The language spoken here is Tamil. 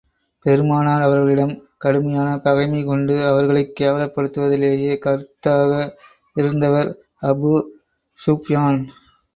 பெருமானார் அவர்களிடம் கடுமையான பகைமை கொண்டு, அவர்களைக் கேவலப்படுத்துவதிலேயே கருத்தாக இருந்தவர் அபூ ஸூப்யான்.